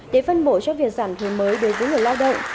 để phân bổ cho việc giảm thuê mới đối với người lao động